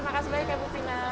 makasih banyak ya bupina